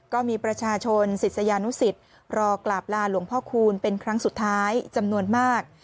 ก็มีประชาชนศิษยานุสิตรอกราบลาหลวงพ่อคูณเป็นครั้งสุดท้ายจำนวนมาก